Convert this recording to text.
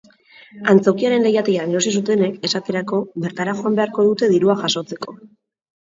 Antzokiaren leihatilan erosi zutenek, esaterako, bertara joan beharko dute dirua jasotzeko.